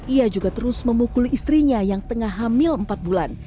ia juga terus memukul istrinya yang tengah hamil empat bulan